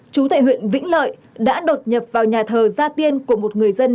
chú tại huyện vĩnh lợi đã đột nhập vào nhà thờ gia tiên của một người dân